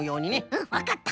うんわかった！